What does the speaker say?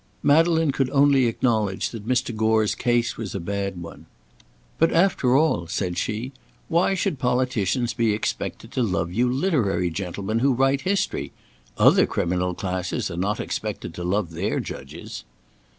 Madeleine could only acknowledge that Mr. Gore's case was a bad one. "But after all," said she, "why should politicians be expected to love you literary gentlemen who write history. Other criminal classes are not expected to love their judges."